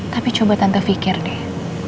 tapi coba tante fikir deh